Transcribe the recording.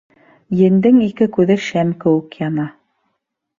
Ендең ике күҙе шәм кеүек яна.